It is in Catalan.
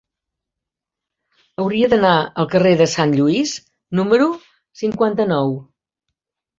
Hauria d'anar al carrer de Sant Lluís número cinquanta-nou.